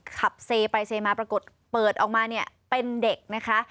ขับเซไปเซมาปรากฏเปิดออกมาเนี่ยเป็นเด็กนะคะ